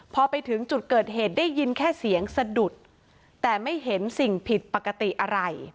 พอไปถึงจุดเกิดเหตุได้ยินแค่เสียงสะดุดแต่ไม่เห็นสิ่งผิดปกติอะไร